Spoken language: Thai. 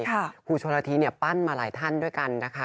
ครูชนละทีปั้นมาหลายท่านด้วยกันนะคะ